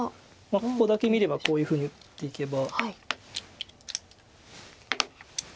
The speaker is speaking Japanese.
ここだけ見ればこういうふうに打っていけば。